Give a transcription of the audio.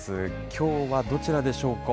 きょうはどちらでしょうか。